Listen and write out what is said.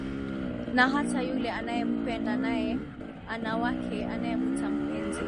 Na hata yule anayempenda, naye ana wake anayemwita mpenzi